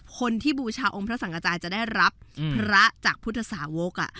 คนที่บูชาองค์พระสังกระจายจะได้รับพระจากพุทธสาวก